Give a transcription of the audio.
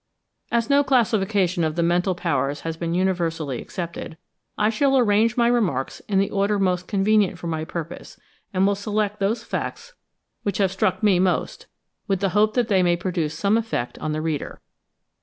As no classification of the mental powers has been universally accepted, I shall arrange my remarks in the order most convenient for my purpose; and will select those facts which have struck me most, with the hope that they may produce some effect on the reader.